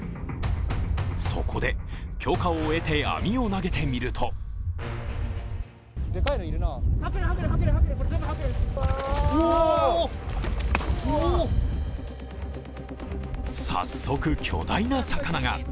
そこで、許可を得て網を投げてみると早速、巨大な魚が。